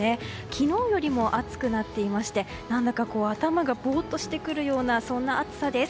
昨日より暑くなっていまして何だか頭がぼーっとしてくるような暑さです。